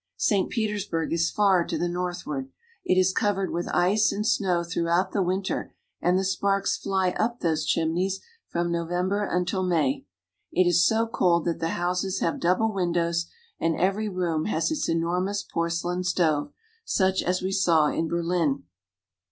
St, Petersburg is far to the northward. It is covered with ice and snow throughout the winter, and the sparks fly up those chimneys from November until May. It is so cold that the houses have double windows, and every room has its enormous porcelain stove, such as we saw in Berlin.